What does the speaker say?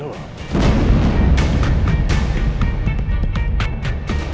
yang butuh duit dari lo